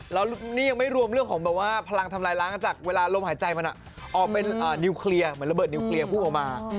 แล้วนี่ยังไม่รวมเรื่องของแบบว่าพลังทำลายล้างจากเวลาลมหายใจมันออกเป็นนิวเคลียร์เหมือนระเบิดนิวเคลียร์พุ่งออกมา